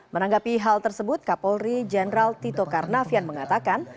menanggapi hal tersebut kapolri jenderal tito karnavian mengatakan